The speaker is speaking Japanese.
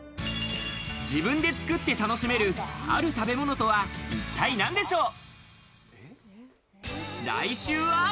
自分で作って楽しめる、ある食べ物とは一体なんでしょう。